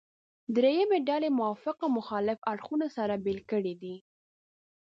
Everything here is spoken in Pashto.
درېیمې ډلې موافق او مخالف اړخونه سره بېل کړي دي.